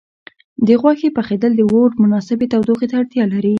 د غوښې پخېدل د اور مناسبې تودوخې ته اړتیا لري.